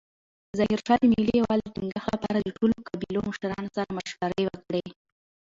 ظاهرشاه د ملي یووالي د ټینګښت لپاره د ټولو قبیلو مشرانو سره مشورې وکړې.